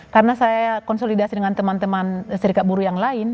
karena saya konsolidasi dengan teman teman serikat buruh yang lain